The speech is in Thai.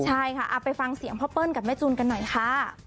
ใช่ค่ะเอาไปฟังเสียงพ่อเปิ้ลกับแม่จูนกันหน่อยค่ะ